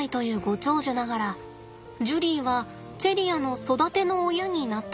長寿ながらジュリーはチェリアの育ての親になったんです。